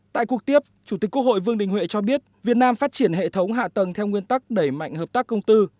tại cuộc tiếp chủ tịch quốc hội vương đình huệ cho biết việt nam phát triển hệ thống hạ tầng theo nguyên tắc đẩy mạnh hợp tác công tư